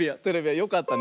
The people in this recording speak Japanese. よかったね。